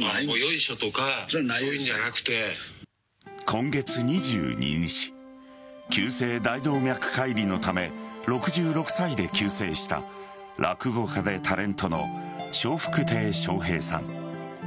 今月２２日急性大動脈解離のため６６歳で急逝した落語家でタレントの笑福亭笑瓶さん。